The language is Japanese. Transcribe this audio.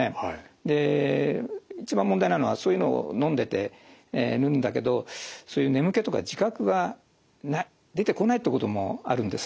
で一番問題なのはそういうのをのんでるんだけどそういう眠気とか自覚が出てこないってこともあるんです。